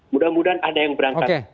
mudah mudahan ada yang berangkat